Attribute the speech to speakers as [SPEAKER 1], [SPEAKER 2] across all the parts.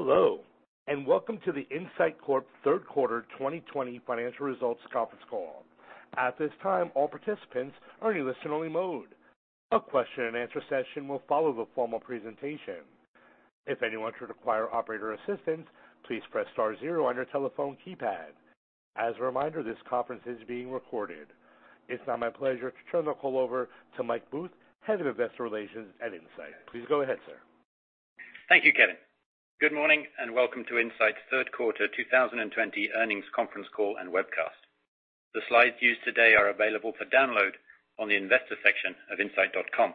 [SPEAKER 1] Hello, and welcome to the Incyte Corp third quarter 2020 financial results conference call. At this time, all participants are in listen-only mode. A question and answer session will follow the formal presentation. If anyone should require operator assistance, please press star zero on your telephone keypad. As a reminder, this conference is being recorded. It's now my pleasure to turn the call over to Michael Booth, Head of Investor Relations at Incyte. Please go ahead, sir.
[SPEAKER 2] Thank you, Kevin. Good morning and welcome to Incyte's third quarter 2020 earnings conference call and webcast. The slides used today are available for download on the investor section of incyte.com.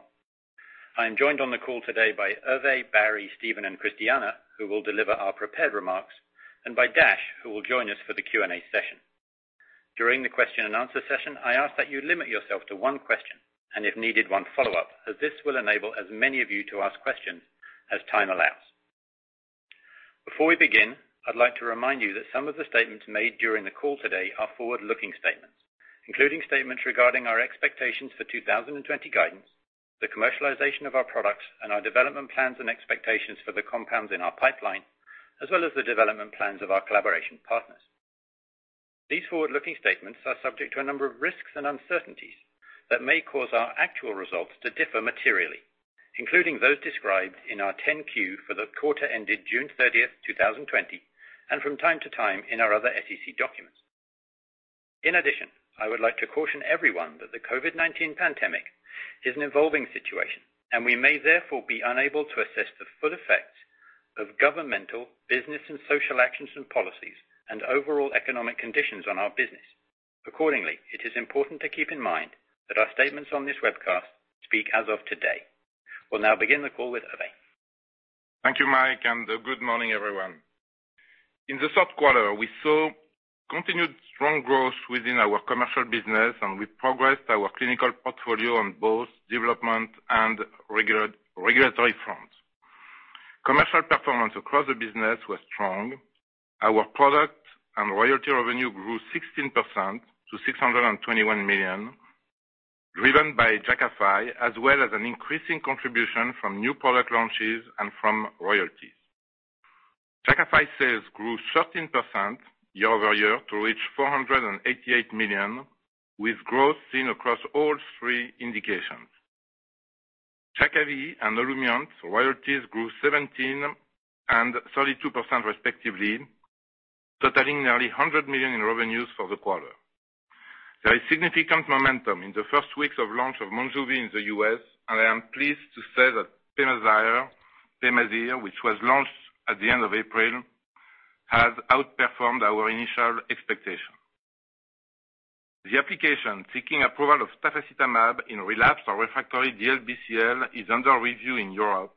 [SPEAKER 2] I am joined on the call today by Hervé, Barry, Steven, and Christiana, who will deliver our prepared remarks, and by Dash, who will join us for the Q&A session. During the question and answer session, I ask that you limit yourself to one question, and if needed, one follow-up, as this will enable as many of you to ask questions as time allows. Before we begin, I'd like to remind you that some of the statements made during the call today are forward-looking statements. Including statements regarding our expectations for 2020 guidance, the commercialization of our products, and our development plans and expectations for the compounds in our pipeline, as well as the development plans of our collaboration partners. These forward-looking statements are subject to a number of risks and uncertainties that may cause our actual results to differ materially, including those described in our 10-Q for the quarter ended June 30th, 2020, and from time to time in our other SEC documents. In addition, I would like to caution everyone that the COVID-19 pandemic is an evolving situation, and we may therefore be unable to assess the full effects of governmental, business, and social actions and policies and overall economic conditions on our business. Accordingly, it is important to keep in mind that our statements on this webcast speak as of today. We'll now begin the call with Hervé.
[SPEAKER 3] Thank you, Mike, and good morning, everyone. In the third quarter, we saw continued strong growth within our commercial business, and we progressed our clinical portfolio on both development and regulatory fronts. Commercial performance across the business was strong. Our product and royalty revenue grew 16% to $621 million, driven by Jakafi, as well as an increasing contribution from new product launches and from royalties. Jakafi sales grew 13% year-over-year to reach $488 million, with growth seen across all three indications. Jakavi and Olumiant royalties grew 17% and 32% respectively, totaling nearly $100 million in revenues for the quarter. There is significant momentum in the first weeks of launch of MONJUVI in the U.S., and I am pleased to say that Pemazyre, which was launched at the end of April, has outperformed our initial expectation. The application seeking approval of tafasitamab in relapsed or refractory DLBCL is under review in Europe.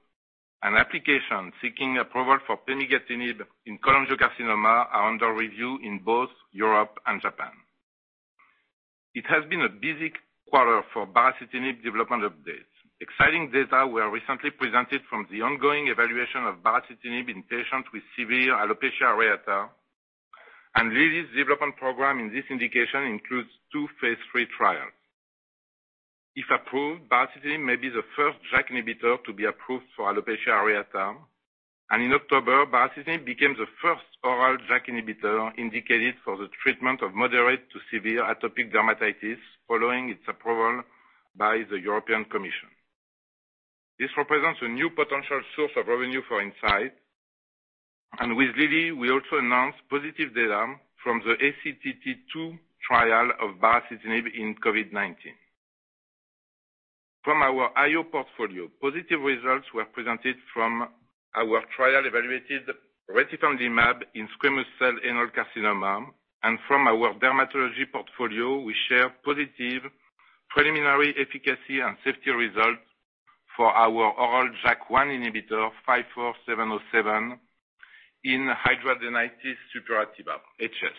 [SPEAKER 3] An application seeking approval for pemigatinib in cholangiocarcinoma are under review in both Europe and Japan. It has been a busy quarter for baricitinib development updates. Exciting data were recently presented from the ongoing evaluation of baricitinib in patients with severe alopecia areata, Lilly's development program in this indication includes two phase III trials. If approved, baricitinib may be the first JAK inhibitor to be approved for alopecia areata. In October, baricitinib became the first oral JAK inhibitor indicated for the treatment of moderate to severe atopic dermatitis following its approval by the European Commission. This represents a new potential source of revenue for Incyte. With Lilly, we also announced positive data from the ACTT-2 trial of baricitinib in COVID-19. From our IO portfolio, positive results were presented from our trial evaluated retifanlimab in squamous cell carcinoma, and from our dermatology portfolio, we share positive preliminary efficacy and safety results for our oral JAK1 inhibitor, five four seven oh seven, in hidradenitis suppurativa, HS.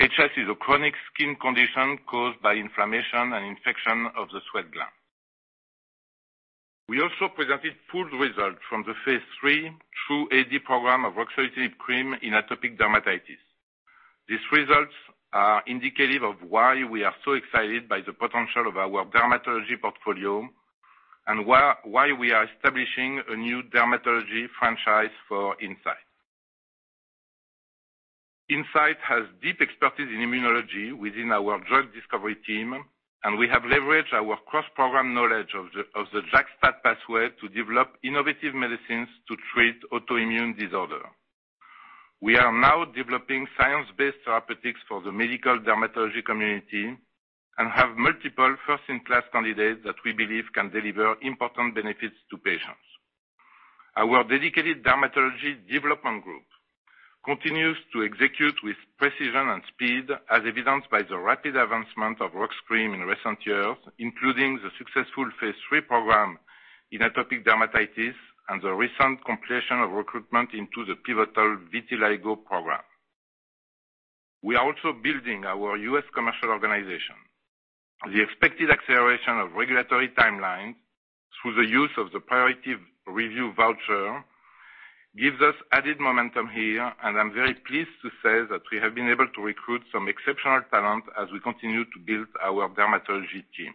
[SPEAKER 3] HS is a chronic skin condition caused by inflammation and infection of the sweat gland. We also presented pooled results from the phase III TRuE-AD program of ruxolitinib cream in atopic dermatitis. These results are indicative of why we are so excited by the potential of our dermatology portfolio and why we are establishing a new dermatology franchise for Incyte. Incyte has deep expertise in immunology within our drug discovery team, and we have leveraged our cross-program knowledge of the JAK-STAT pathway to develop innovative medicines to treat autoimmune disorder. We are now developing science-based therapeutics for the medical dermatology community and have multiple first-in-class candidates that we believe can deliver important benefits to patients. Our dedicated dermatology development group continues to execute with precision and speed, as evidenced by the rapid advancement of ruxolitinib cream in recent years, including the successful phase III program in atopic dermatitis and the recent completion of recruitment into the pivotal vitiligo program. We are also building our U.S. commercial organization. The expected acceleration of regulatory timelines through the use of the priority review voucher gives us added momentum here, and I'm very pleased to say that we have been able to recruit some exceptional talent as we continue to build our dermatology team.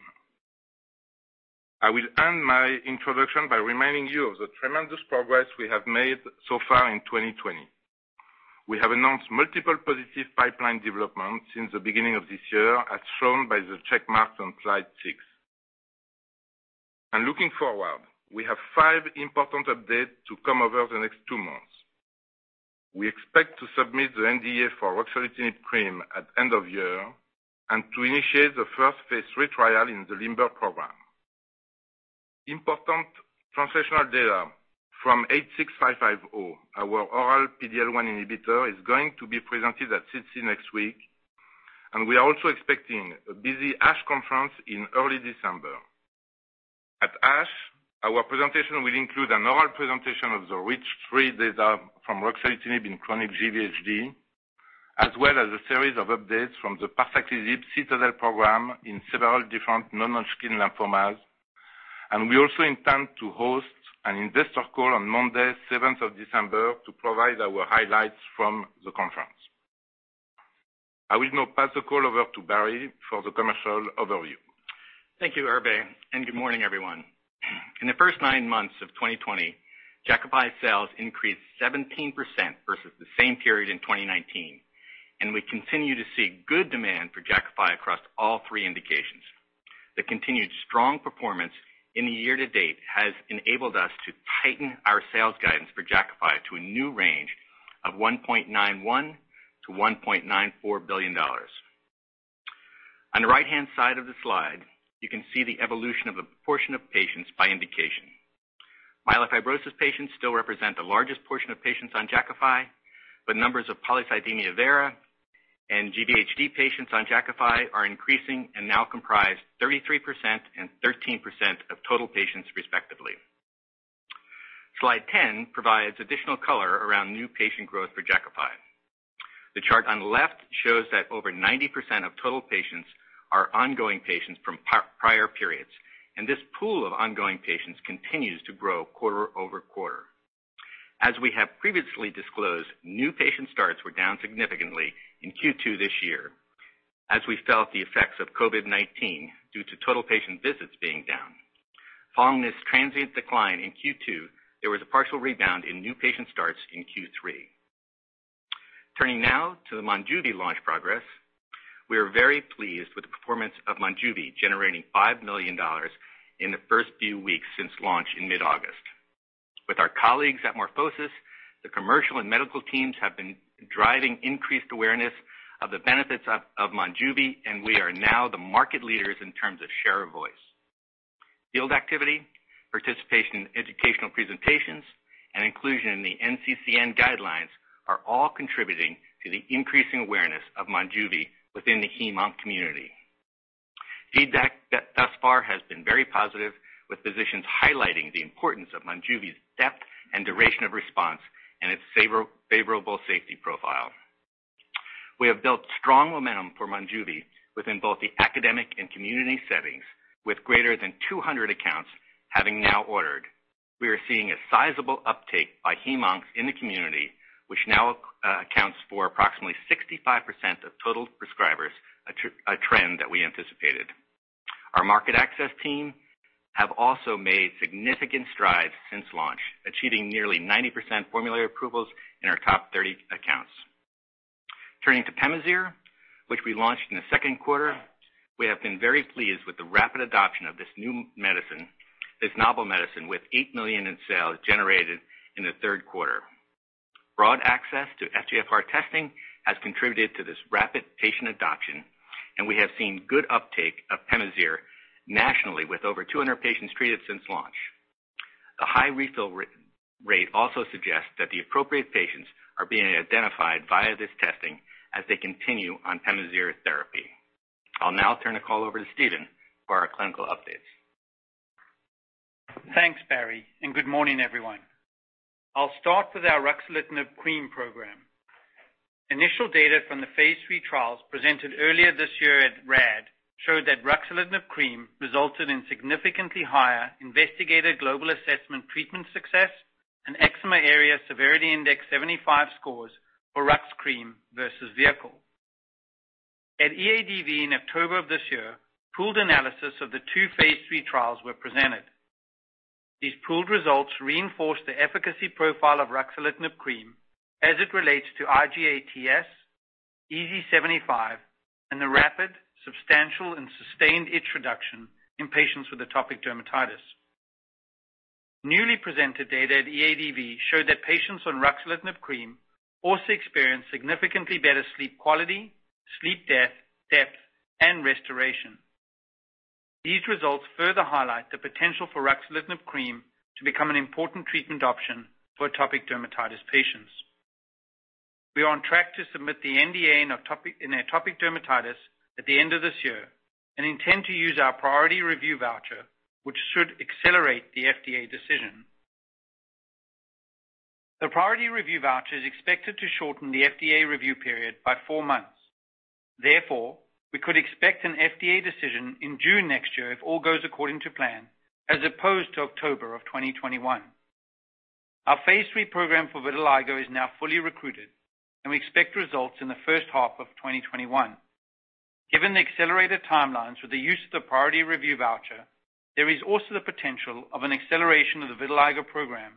[SPEAKER 3] I will end my introduction by reminding you of the tremendous progress we have made so far in 2020. We have announced multiple positive pipeline developments since the beginning of this year, as shown by the check marks on slide six. Looking forward, we have five important updates to come over the next two months. We expect to submit the NDA for ruxolitinib cream at end of year, and to initiate the first phase III trial in the LIMBER program. Important translational data from INCB086550, our oral PD-L1 inhibitor, is going to be presented at SITC next week, and we are also expecting a busy ASH conference in early December. At ASH, our presentation will include an oral presentation of the REACH3 data from ruxolitinib in chronic GVHD, as well as a series of updates from the parsaclisib CITADEL program in several different non-Hodgkin lymphomas. We also intend to host an investor call on Monday, 7th of December, to provide our highlights from the conference. I will now pass the call over to Barry for the commercial overview.
[SPEAKER 4] Thank you, Hervé, and good morning, everyone. In the first nine months of 2020, Jakafi sales increased 17% versus the same period in 2019, and we continue to see good demand for Jakafi across all three indications. The continued strong performance in the year to date has enabled us to tighten our sales guidance for Jakafi to a new range of $1.91 billion-$1.94 billion. On the right-hand side of the slide, you can see the evolution of the proportion of patients by indication. Myelofibrosis patients still represent the largest portion of patients on Jakafi, but numbers of polycythemia vera and GVHD patients on Jakafi are increasing and now comprise 33% and 13% of total patients respectively. Slide 10 provides additional color around new patient growth for Jakafi. The chart on the left shows that over 90% of total patients are ongoing patients from prior periods, and this pool of ongoing patients continues to grow quarter-over-quarter. As we have previously disclosed, new patient starts were down significantly in Q2 this year as we felt the effects of COVID-19 due to total patient visits being down. Following this transient decline in Q2, there was a partial rebound in new patient starts in Q3. Turning now to the MONJUVI launch progress. We are very pleased with the performance of MONJUVI, generating $5 million in the first few weeks since launch in mid-August. With our colleagues at MorphoSys, the commercial and medical teams have been driving increased awareness of the benefits of MONJUVI, and we are now the market leaders in terms of share of voice. Field activity, participation in educational presentations, and inclusion in the NCCN guidelines are all contributing to the increasing awareness of MONJUVI within the Hem-Onc community. Feedback thus far has been very positive, with physicians highlighting the importance of MONJUVI's depth and duration of response and its favorable safety profile. We have built strong momentum for MONJUVI within both the academic and community settings, with greater than 200 accounts having now ordered. We are seeing a sizable uptake by Hem-Oncs in the community, which now accounts for approximately 65% of total prescribers, a trend that we anticipated. Our market access team have also made significant strides since launch, achieving nearly 90% formulary approvals in our top 30 accounts. Turning to Pemazyre, which we launched in the second quarter. We have been very pleased with the rapid adoption of this novel medicine with $8 million in sales generated in the third quarter. Broad access to FGFR testing has contributed to this rapid patient adoption, and we have seen good uptake of Pemazyre nationally with over 200 patients treated since launch. The high refill rate also suggests that the appropriate patients are being identified via this testing as they continue on Pemazyre therapy. I'll now turn the call over to Steven for our clinical updates.
[SPEAKER 5] Thanks, Barry, and good morning, everyone. I'll start with our ruxolitinib cream program. Initial data from the phase III trials presented earlier this year at AAD showed that ruxolitinib cream resulted in significantly higher Investigator's Global Assessment Treatment Success and EASI-75 scores for rux cream versus vehicle. At EADV in October of this year, pooled analysis of the two phase III trials were presented. These pooled results reinforced the efficacy profile of ruxolitinib cream as it relates to IGA-TS, EASI-75, and the rapid, substantial and sustained itch reduction in patients with atopic dermatitis. Newly presented data at EADV showed that patients on ruxolitinib cream also experienced significantly better sleep quality, sleep depth, and restoration. These results further highlight the potential for ruxolitinib cream to become an important treatment option for atopic dermatitis patients. We are on track to submit the NDA in atopic dermatitis at the end of this year and intend to use our priority review voucher, which should accelerate the FDA decision. The priority review voucher is expected to shorten the FDA review period by four months. Therefore, we could expect an FDA decision in June next year if all goes according to plan, as opposed to October of 2021. Our phase III program for vitiligo is now fully recruited, and we expect results in the first half of 2021. Given the accelerated timelines for the use of the priority review voucher, there is also the potential of an acceleration of the vitiligo program,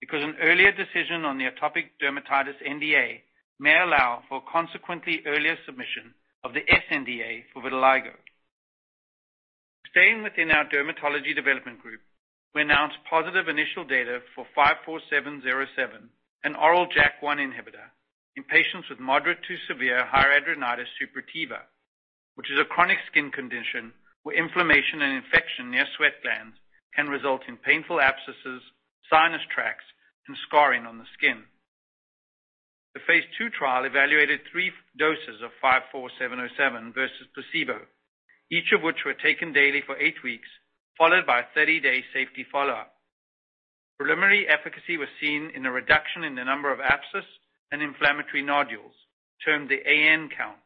[SPEAKER 5] because an earlier decision on the atopic dermatitis NDA may allow for consequently earlier submission of the sNDA for vitiligo. Staying within our dermatology development group, we announced positive initial data for INCB054707, an oral JAK1 inhibitor in patients with moderate to severe hidradenitis suppurativa, which is a chronic skin condition where inflammation and infection near sweat glands can result in painful abscesses, sinus tracts, and scarring on the skin. The phase II trial evaluated 3 doses of INCB054707 versus placebo, each of which were taken daily for eight weeks, followed by a 30-day safety follow-up. Preliminary efficacy was seen in a reduction in the number of abscess and inflammatory nodules, termed the AN count,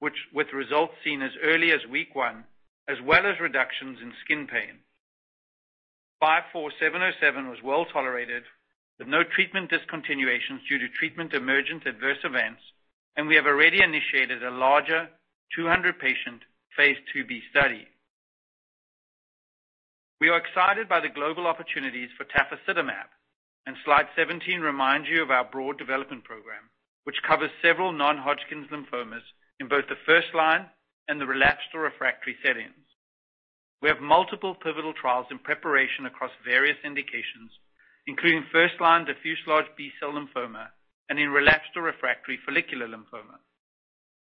[SPEAKER 5] with results seen as early as week one, as well as reductions in skin pain. INCB054707 was well-tolerated, with no treatment discontinuations due to treatment emergent adverse events, and we have already initiated a larger 200-patient phase II-B study. We are excited by the global opportunities for tafasitamab, slide 17 reminds you of our broad development program, which covers several non-Hodgkin lymphomas in both the first-line and the relapsed or refractory settings. We have multiple pivotal trials in preparation across various indications, including first-line diffuse large B-cell lymphoma and in relapsed or refractory follicular lymphoma.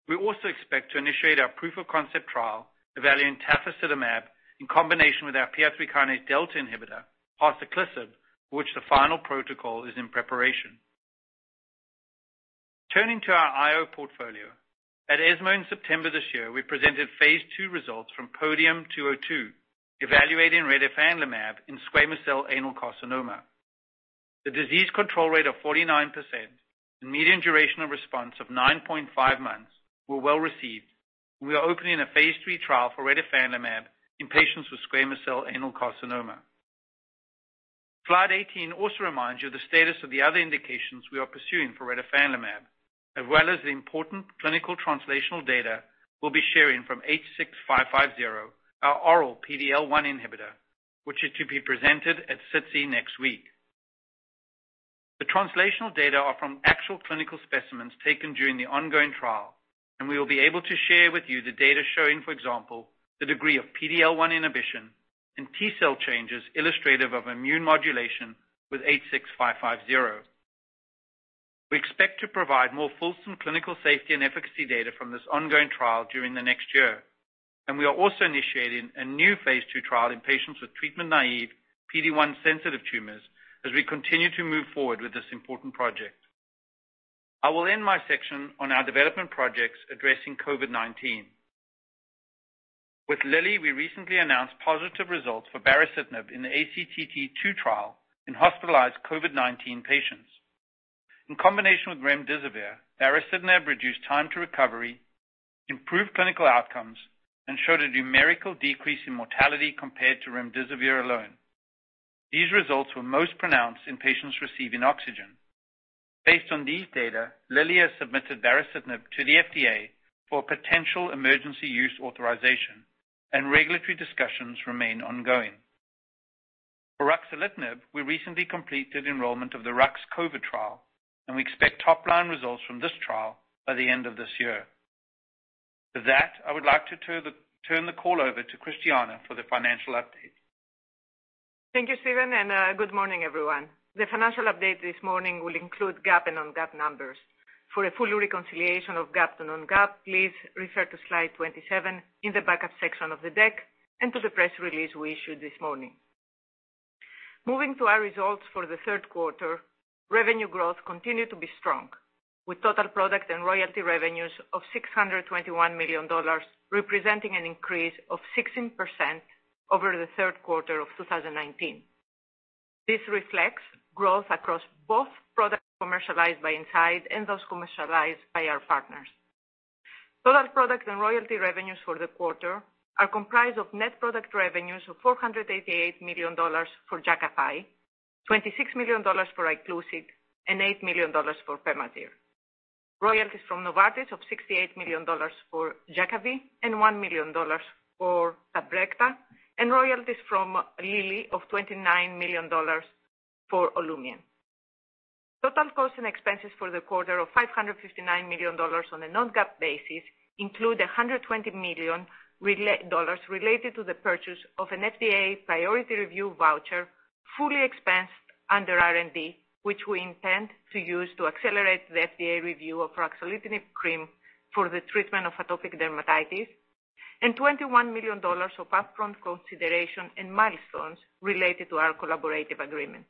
[SPEAKER 5] We also expect to initiate our proof of concept trial evaluating tafasitamab in combination with our PI3 kinase delta inhibitor, parsaclisib, for which the final protocol is in preparation. Turning to our IO portfolio. At ESMO in September this year, we presented phase II results from PODIUM-202, evaluating retifanlimab in squamous cell anal carcinoma. The disease control rate of 49% and median duration of response of 9.5 months were well-received. We are opening a phase III trial for retifanlimab in patients with squamous cell anal carcinoma. Slide 18 also reminds you of the status of the other indications we are pursuing for retifanlimab, as well as the important clinical translational data we'll be sharing from H6550, our oral PD-L1 inhibitor, which is to be presented at SITC next week. The translational data are from actual clinical specimens taken during the ongoing trial, and we will be able to share with you the data showing, for example, the degree of PD-L1 inhibition and T-cell changes illustrative of immune modulation with H6550. We expect to provide more fulsome clinical safety and efficacy data from this ongoing trial during the next year, and we are also initiating a new phase II trial in patients with treatment-naive PD-1-sensitive tumors as we continue to move forward with this important project. I will end my section on our development projects addressing COVID-19. With Lilly, we recently announced positive results for baricitinib in the ACTT-2 trial in hospitalized COVID-19 patients. In combination with remdesivir, baricitinib reduced time to recovery, improved clinical outcomes, and showed a numerical decrease in mortality compared to remdesivir alone. These results were most pronounced in patients receiving oxygen. Based on these data, Lilly has submitted baricitinib to the FDA for potential emergency use authorization. Regulatory discussions remain ongoing. For ruxolitinib, we recently completed enrollment of the RUXCOVID trial. We expect top-line results from this trial by the end of this year. With that, I would like to turn the call over to Christiana for the financial update.
[SPEAKER 6] Thank you, Steven, and good morning, everyone. The financial update this morning will include GAAP and non-GAAP numbers. For a full reconciliation of GAAP to non-GAAP, please refer to slide 27 in the backup section of the deck and to the press release we issued this morning. Moving to our results for the third quarter, revenue growth continued to be strong, with total product and royalty revenues of $621 million, representing an increase of 16% over the third quarter of 2019. This reflects growth across both products commercialized by Incyte and those commercialized by our partners. Total product and royalty revenues for the quarter are comprised of net product revenues of $488 million for Jakafi, $26 million for Iclusig, and $8 million for Pemazyre. Royalties from Novartis of $68 million for Jakavi and $1 million for Tabrecta, and royalties from Lilly of $29 million for Olumiant. Total costs and expenses for the quarter of $559 million on a non-GAAP basis include $120 million related to the purchase of an FDA priority review voucher, fully expensed under R&D, which we intend to use to accelerate the FDA review of ruxolitinib cream for the treatment of atopic dermatitis, and $21 million of upfront consideration in milestones related to our collaborative agreements.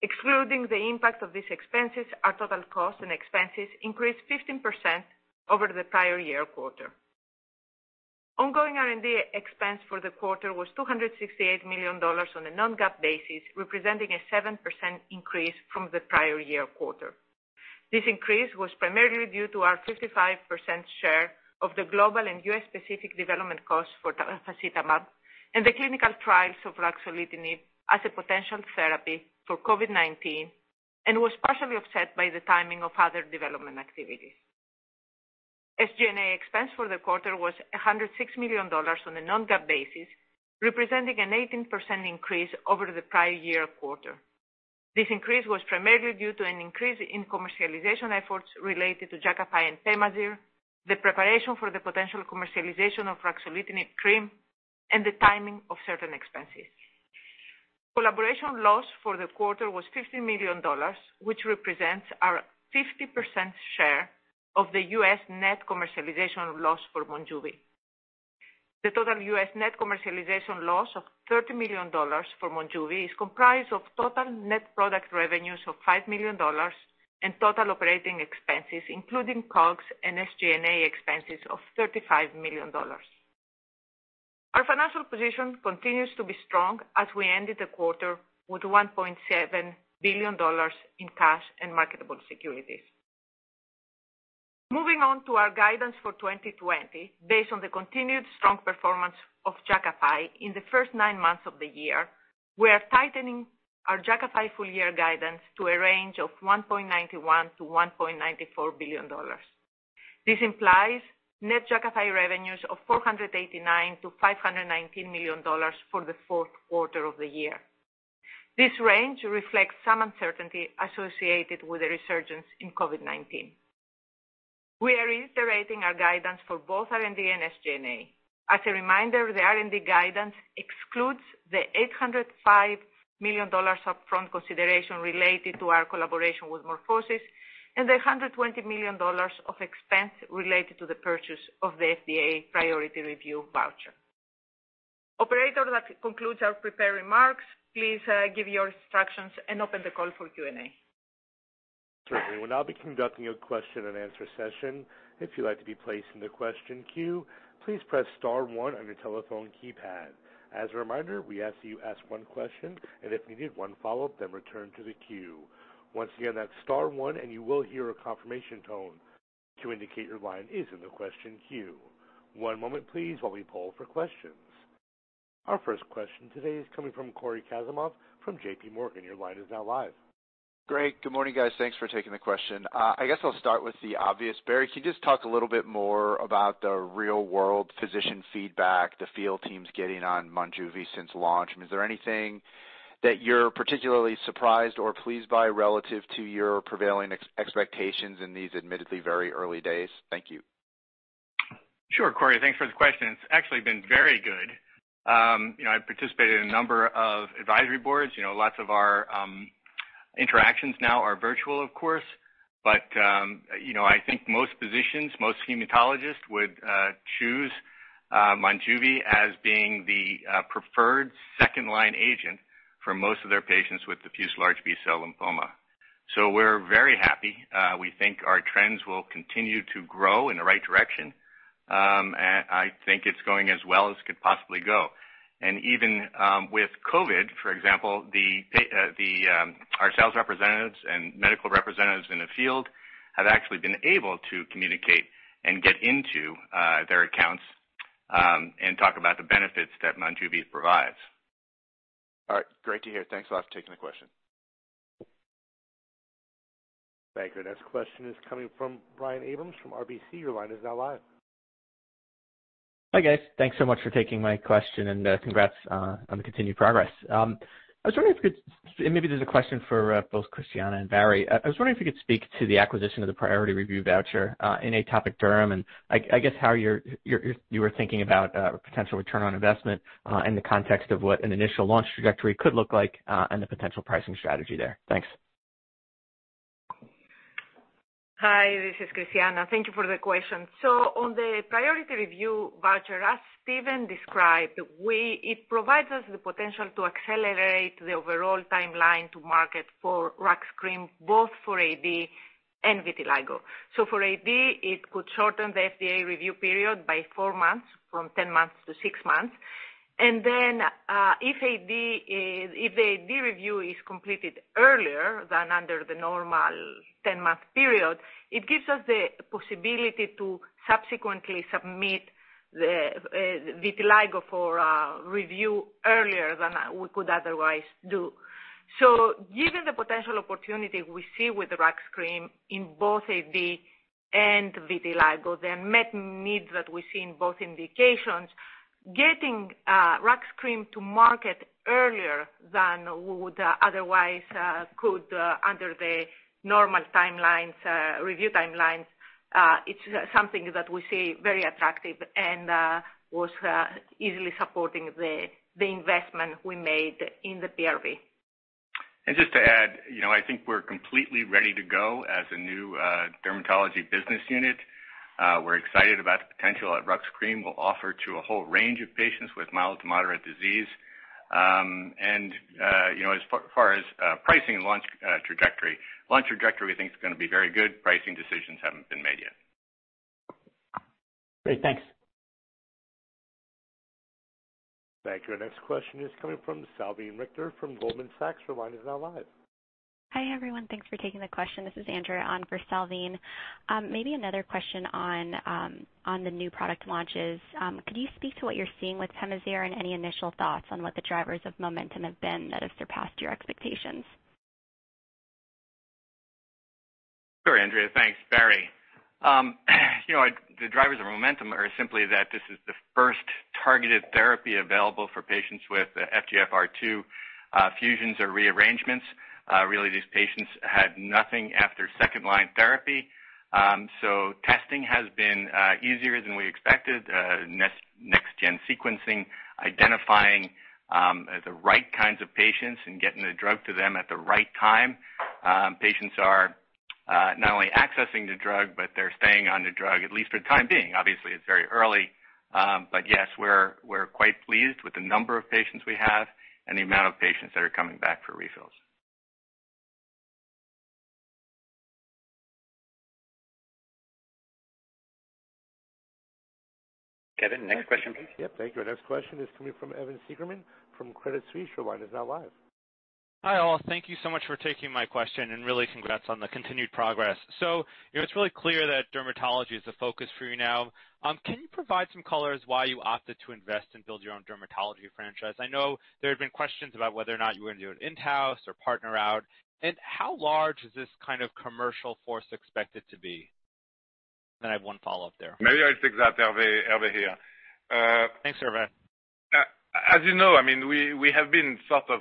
[SPEAKER 6] Excluding the impact of these expenses, our total costs and expenses increased 15% over the prior year quarter. Ongoing R&D expense for the quarter was $268 million on a non-GAAP basis, representing a 7% increase from the prior year quarter. This increase was primarily due to our 55% share of the global and U.S.-specific development costs for tafasitamab and the clinical trials of ruxolitinib as a potential therapy for COVID-19, and was partially offset by the timing of other development activities. SG&A expense for the quarter was $106 million on a non-GAAP basis, representing an 18% increase over the prior year quarter. This increase was primarily due to an increase in commercialization efforts related to Jakafi and Pemazyre, the preparation for the potential commercialization of ruxolitinib cream, and the timing of certain expenses. Collaboration loss for the quarter was $50 million, which represents our 50% share of the U.S. net commercialization loss for MONJUVI. The total U.S. net commercialization loss of $30 million for MONJUVI is comprised of total net product revenues of $5 million and total operating expenses, including COGS and SG&A expenses of $35 million. Our financial position continues to be strong as we ended the quarter with $1.7 billion in cash and marketable securities. Moving on to our guidance for 2020, based on the continued strong performance of Jakafi in the first nine months of the year, we are tightening our Jakafi full year guidance to a range of $1.91 billion-$1.94 billion. This implies net Jakafi revenues of $489 million-$519 million for the fourth quarter of the year. This range reflects some uncertainty associated with the resurgence in COVID-19. We are reiterating our guidance for both R&D and SG&A. As a reminder, the R&D guidance excludes the $805 million upfront consideration related to our collaboration with MorphoSys and the $120 million of expense related to the purchase of the FDA priority review voucher. Operator, that concludes our prepared remarks. Please give your instructions and open the call for Q&A.
[SPEAKER 1] Certainly. We'll now be conducting a question and answer session. If you'd like to be placed in the question queue, please press star one on your telephone keypad. As a reminder, we ask that you ask one question and, if needed, one follow-up, return to the queue. Once again, that's star one. You will hear a confirmation tone to indicate your line is in the question queue. One moment please while we poll for questions. Our first question today is coming from Cory Kasimov from JPMorgan. Your line is now live.
[SPEAKER 7] Great. Good morning, guys. Thanks for taking the question. I guess I'll start with the obvious. Barry, can you just talk a little bit more about the real-world physician feedback the field team's getting on MONJUVI since launch? Is there anything that you're particularly surprised or pleased by relative to your prevailing expectations in these admittedly very early days? Thank you.
[SPEAKER 4] Sure, Cory. Thanks for the question. It's actually been very good. I've participated in a number of advisory boards. Lots of our interactions now are virtual, of course, but I think most physicians, most hematologists would choose MONJUVI as being the preferred second-line agent for most of their patients with diffuse large B-cell lymphoma. We're very happy. We think our trends will continue to grow in the right direction. I think it's going as well as could possibly go. Even with COVID, for example, our sales representatives and medical representatives in the field have actually been able to communicate and get into their accounts, and talk about the benefits that MONJUVI provides.
[SPEAKER 7] All right, great to hear. Thanks a lot for taking the question.
[SPEAKER 1] Thank you. The next question is coming from Brian Abrahams from RBC. Your line is now live.
[SPEAKER 8] Hi, guys. Thanks so much for taking my question and congrats on the continued progress. Maybe this is a question for both Christiana and Barry. I was wondering if you could speak to the acquisition of the priority review voucher in atopic derm, and I guess how you were thinking about potential return on investment in the context of what an initial launch trajectory could look like and the potential pricing strategy there. Thanks.
[SPEAKER 6] Hi, this is Christiana. Thank you for the question. On the priority review voucher, as Steven described, it provides us the potential to accelerate the overall timeline to market for RUX cream, both for AD and vitiligo. For AD, it could shorten the FDA review period by four months, from 10 months to six months. If the AD review is completed earlier than under the normal 10-month period, it gives us the possibility to subsequently submit the vitiligo for review earlier than we could otherwise do. Given the potential opportunity we see with the RUX cream in both AD and vitiligo, the met needs that we see in both indications, getting RUX cream to market earlier than we would otherwise could under the normal review timelines, it's something that we see very attractive and was easily supporting the investment we made in the PRV.
[SPEAKER 4] Just to add, I think we're completely ready to go as a new dermatology business unit. We're excited about the potential that RUX cream will offer to a whole range of patients with mild to moderate disease. As far as pricing and launch trajectory, launch trajectory we think is going to be very good. Pricing decisions haven't been made yet.
[SPEAKER 8] Great. Thanks.
[SPEAKER 1] Thank you. Our next question is coming from Salveen Richter from Goldman Sachs. Your line is now live.
[SPEAKER 9] Hi, everyone. Thanks for taking the question. This is Andrea on for Salveen. Maybe another question on the new product launches. Could you speak to what you're seeing with Pemazyre? Any initial thoughts on what the drivers of momentum have been that have surpassed your expectations?
[SPEAKER 4] Sure, Andrea. Thanks, Barry. The drivers of momentum are simply that this is the first targeted therapy available for patients with FGFR2 fusions or rearrangements. Really, these patients had nothing after second-line therapy. Testing has been easier than we expected. Next gen sequencing, identifying the right kinds of patients and getting the drug to them at the right time. Patients are not only accessing the drug, but they're staying on the drug, at least for the time being. Obviously, it's very early. Yes, we're quite pleased with the number of patients we have and the amount of patients that are coming back for refills.
[SPEAKER 2] Kevin, next question, please.
[SPEAKER 1] Yep, thank you. Our next question is coming from Evan Seigerman from Credit Suisse. Your line is now live.
[SPEAKER 10] Hi, all. Thank you so much for taking my question and really congrats on the continued progress. It's really clear that dermatology is the focus for you now. Can you provide some color as why you opted to invest and build your own dermatology franchise? I know there had been questions about whether or not you were going to do it in-house or partner out. How large is this kind of commercial force expected to be? I have one follow-up there.
[SPEAKER 3] Maybe I'll take that, Hervé here.
[SPEAKER 10] Thanks, Hervé.
[SPEAKER 3] As you know, we have been sort of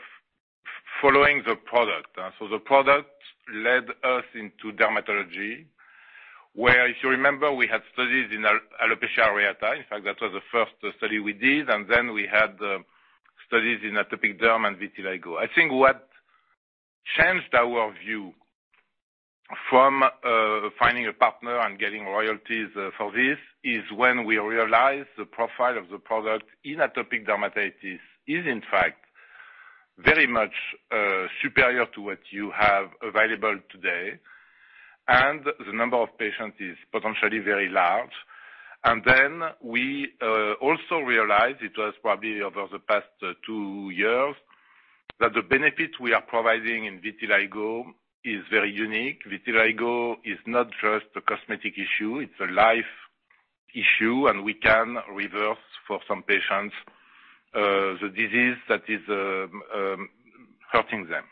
[SPEAKER 3] following the product. The product led us into dermatology, where, if you remember, we had studies in alopecia areata. In fact, that was the first study we did, and then we had studies in atopic derm and vitiligo. I think what changed our view from finding a partner and getting royalties for this is when we realized the profile of the product in atopic dermatitis is, in fact, very much superior to what you have available today, and the number of patients is potentially very large. We also realized it was probably over the past two years that the benefit we are providing in vitiligo is very unique. Vitiligo is not just a cosmetic issue, it's a life issue, and we can reverse, for some patients, the disease that is hurting them.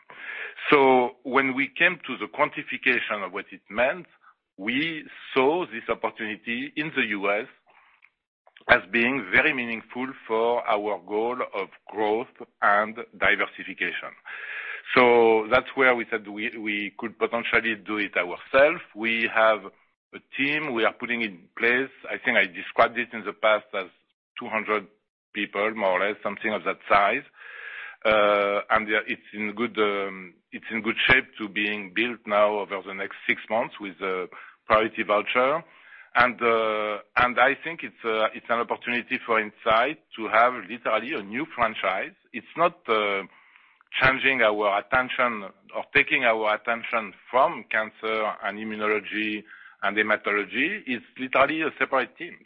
[SPEAKER 3] When we came to the quantification of what it meant, we saw this opportunity in the U.S. as being very meaningful for our goal of growth and diversification. That's where we said we could potentially do it ourselves. We have a team we are putting in place, I think I described it in the past as 200 people, more or less, something of that size. It's in good shape to being built now over the next six months with a priority voucher. I think it's an opportunity for Incyte to have literally a new franchise. It's not changing our attention or taking our attention from cancer and immunology and hematology. It's literally a separate team.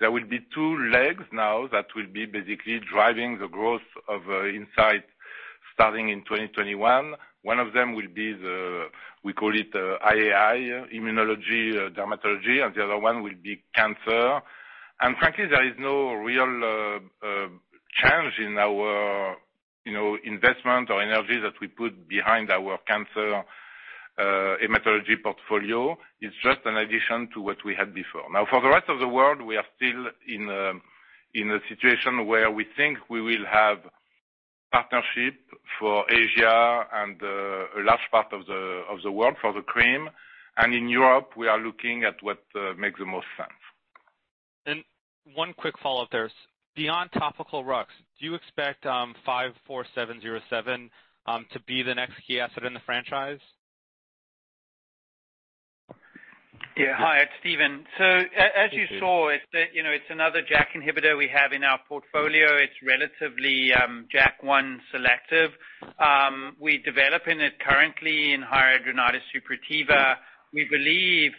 [SPEAKER 3] There will be two legs now that will be basically driving the growth of Incyte starting in 2021. One of them will be the, we call it IAI, immunology, dermatology, and the other one will be cancer. Frankly, there is no real change in our investment or energy that we put behind our cancer hematology portfolio. It's just an addition to what we had before. Now, for the rest of the world, we are still in a situation where we think we will have partnership for Asia and a large part of the world for the cream. In Europe, we are looking at what makes the most sense.
[SPEAKER 10] One quick follow up there. Beyond topical Rux, do you expect 54707 to be the next key asset in the franchise?
[SPEAKER 5] Hi, it's Steven. As you saw, it's another JAK inhibitor we have in our portfolio. It's relatively JAK1 selective. We're developing it currently in hidradenitis suppurativa. We believe,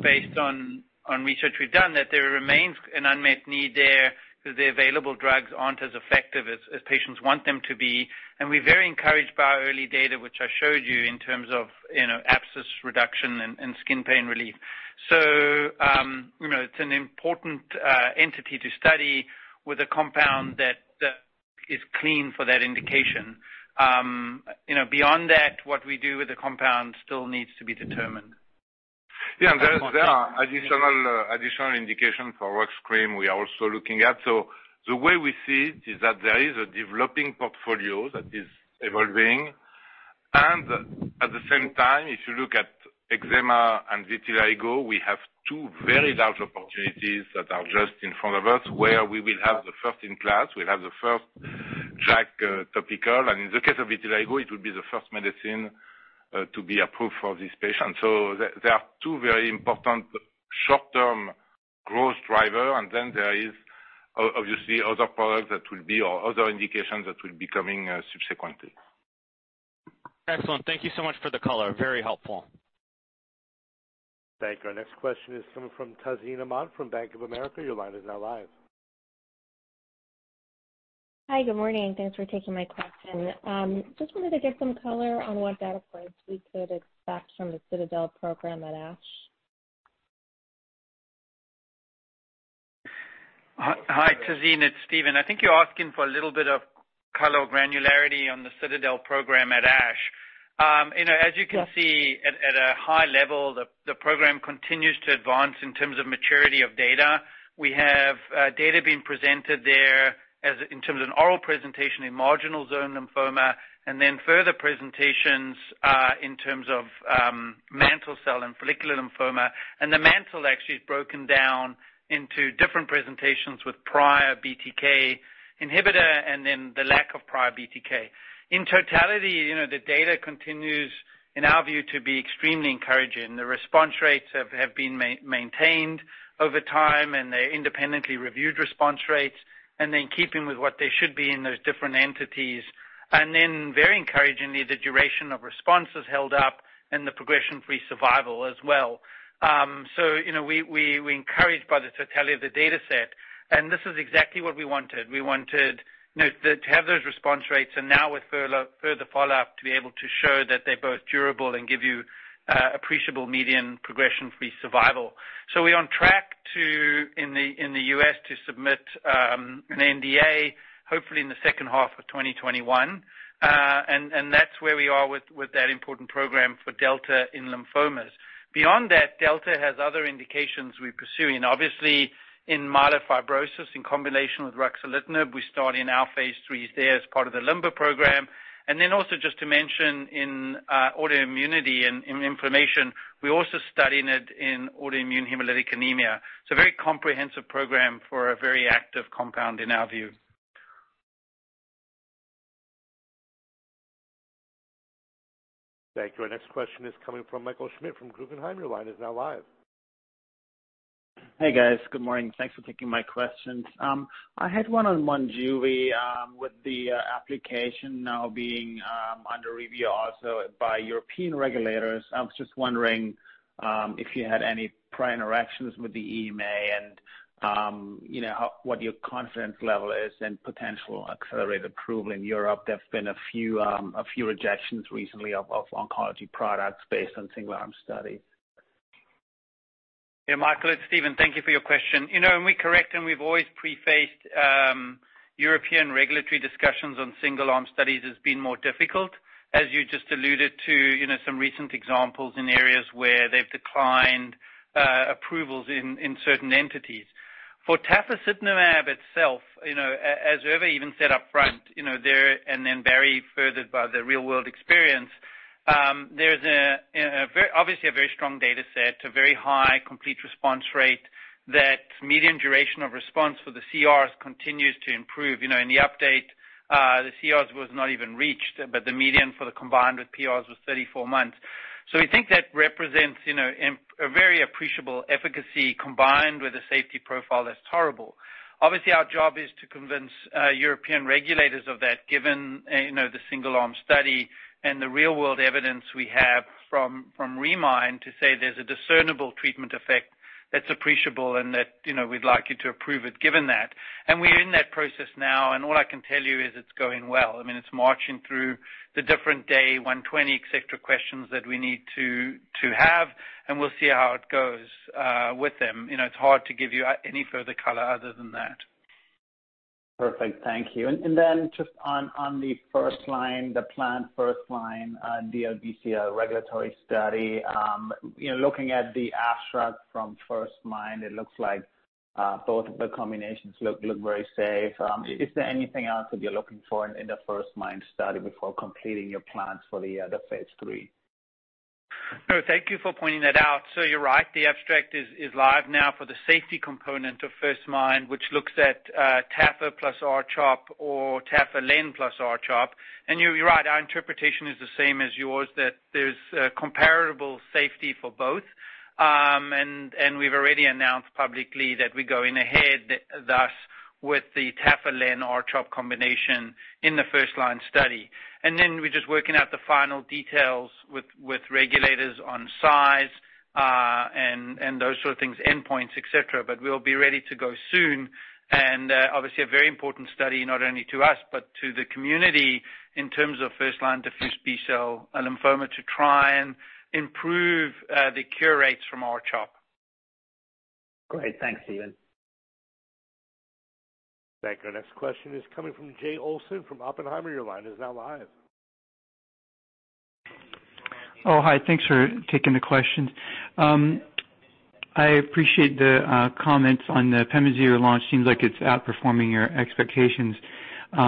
[SPEAKER 5] based on research we've done, that there remains an unmet need there because the available drugs aren't as effective as patients want them to be. We're very encouraged by our early data, which I showed you, in terms of abscess reduction and skin pain relief. It's an important entity to study with a compound that is clean for that indication. Beyond that, what we do with the compound still needs to be determined.
[SPEAKER 3] Yeah, there are additional indications for ruxolitinib cream we are also looking at. The way we see it is that there is a developing portfolio that is evolving. At the same time, if you look at eczema and vitiligo, we have two very large opportunities that are just in front of us where we will have the first in class, we'll have the first JAK topical, and in the case of vitiligo, it will be the first medicine to be approved for these patients. There are two very important short-term growth drivers, then there is obviously other products that will be, or other indications that will be coming subsequently.
[SPEAKER 10] Excellent. Thank you so much for the color. Very helpful.
[SPEAKER 1] Thank you. Our next question is coming from Tazeen Ahmad from Bank of America. Your line is now live.
[SPEAKER 11] Hi. Good morning, thanks for taking my question. Just wanted to get some color on what data points we could expect from the CITADEL program at ASH.
[SPEAKER 5] Hi, Tazeen, it's Stephen. I think you're asking for a little bit of color or granularity on the CITADEL program at ASH. As you can see, at a high level, the program continues to advance in terms of maturity of data. We have data being presented there in terms of an oral presentation in marginal zone lymphoma, and then further presentations in terms of mantle cell and follicular lymphoma. The mantle actually is broken down into different presentations with prior BTK inhibitor and then the lack of prior BTK. In totality, the data continues, in our view, to be extremely encouraging. The response rates have been maintained over time, and they're independently reviewed response rates, and then keeping with what they should be in those different entities. Very encouragingly, the duration of response has held up and the progression-free survival as well. We're encouraged by the totality of the data set, and this is exactly what we wanted. We wanted to have those response rates, and now with further follow-up, to be able to show that they're both durable and give you appreciable median progression-free survival. We're on track, in the U.S., to submit an NDA hopefully in the second half of 2021. That's where we are with that important program for delta in lymphomas. Beyond that, delta has other indications we pursue, and obviously in myelofibrosis, in combination with ruxolitinib, we start in our phase III there as part of the LIMBER program. Then also just to mention in autoimmunity and inflammation, we're also studying it in autoimmune hemolytic anemia. It's a very comprehensive program for a very active compound in our view.
[SPEAKER 1] Thank you. Our next question is coming from Michael Schmidt from Guggenheim.
[SPEAKER 12] Hey, guys. Good morning, thanks for taking my questions. I had one on MONJUVI with the application now being under review also by European regulators. I was just wondering if you had any prior interactions with the EMA and what your confidence level is in potential accelerated approval in Europe. There have been a few rejections recently of oncology products based on single-arm studies.
[SPEAKER 5] Yeah, Michael, it's Steven. Thank you for your question. You know, we correct, and we've always prefaced European regulatory discussions on single-arm studies as being more difficult, as you just alluded to some recent examples in areas where they've declined approvals in certain entities. For tafasitamab itself, as Hervé even said upfront, Barry furthered by the real-world experience, there's obviously a very strong data set, a very high complete response rate. That median duration of response for the CRs continues to improve. In the update, the CRs was not even reached, the median for the combined with PRs was 34 months. We think that represents a very appreciable efficacy combined with a safety profile that's favorable. Obviously, our job is to convince European regulators of that, given the single-arm study and the real-world evidence we have from REMIND to say there's a discernible treatment effect that's appreciable and that we'd like you to approve it given that. We're in that process now, and all I can tell you is it's going well. It's marching through the different day 120, et cetera, questions that we need to have, and we'll see how it goes with them. It's hard to give you any further color other than that.
[SPEAKER 12] Perfect. Thank you. Just on the planned first-line DLBCL regulatory study. Looking at the abstract from First-MIND, it looks like both of the combinations look very safe. Is there anything else that you're looking for in the First-MIND study before completing your plans for the other phase III?
[SPEAKER 5] Thank you for pointing that out. You're right, the abstract is live now for the safety component of First-MIND, which looks at tafasitamab plus R-CHOP or tafasitamab Len plus R-CHOP. You're right, our interpretation is the same as yours, that there's comparable safety for both. We've already announced publicly that we're going ahead, thus, with the tafasitamab Len R-CHOP combination in the first-line study. We're just working out the final details with regulators on size, and those sort of things, endpoints, et cetera, we'll be ready to go soon. Obviously a very important study, not only to us but to the community in terms of first-line diffuse B-cell lymphoma to try and improve the cure rates from R-CHOP.
[SPEAKER 12] Great. Thanks, Steven.
[SPEAKER 1] Thank you. Our next question is coming from Jay Olson from Oppenheimer. Your line is now live.
[SPEAKER 13] Oh, hi. Thanks for taking the questions. I appreciate the comments on the Pemazyre launch. Seems like it's outperforming your expectations. I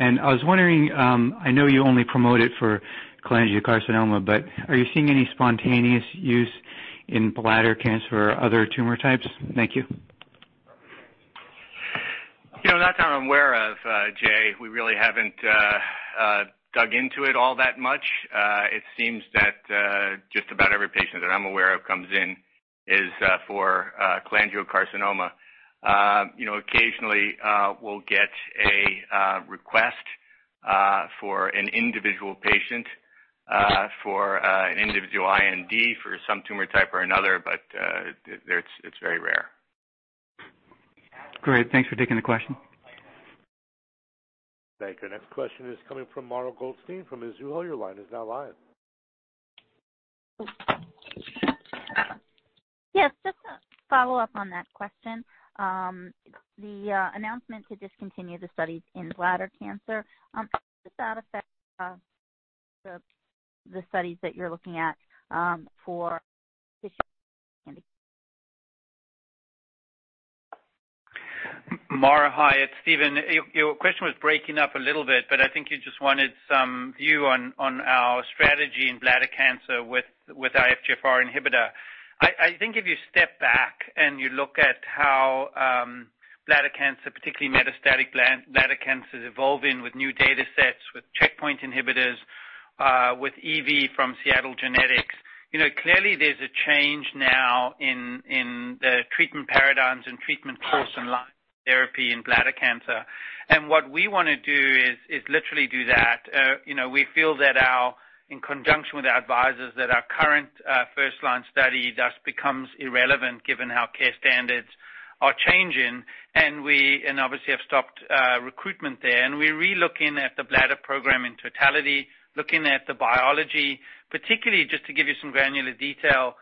[SPEAKER 13] was wondering, I know you only promote it for cholangiocarcinoma, but are you seeing any spontaneous use in bladder cancer or other tumor types? Thank you.
[SPEAKER 4] Not that I'm aware of, Jay. We really haven't dug into it all that much. It seems that just about every patient that I'm aware of comes in is for cholangiocarcinoma. Occasionally, we'll get a request for an individual patient, for an individual IND, for some tumor type or another, but it's very rare.
[SPEAKER 13] Great. Thanks for taking the question.
[SPEAKER 1] Thank you. Next question is coming from Mara Goldstein from Mizuho. Your line is now live.
[SPEAKER 14] Yes, just to follow up on that question. The announcement to discontinue the studies in bladder cancer, does that affect the studies that you're looking at for tissue?
[SPEAKER 5] Mara, hi. It's Stephen. Your question was breaking up a little bit, but I think you just wanted some view on our strategy in bladder cancer with FGFR inhibitor. I think if you step back and you look at how bladder cancer, particularly metastatic bladder cancer, is evolving with new data sets, with checkpoint inhibitors, with EV from Seagen. Clearly, there's a change now in the treatment paradigms and treatment course and line therapy in bladder cancer. What we want to do is literally do that. We feel that in conjunction with our advisors, that our current first-line study thus becomes irrelevant given how care standards are changing, and obviously have stopped recruitment there. We're re-looking at the bladder program in totality, looking at the biology. Particularly, just to give you some granular detail,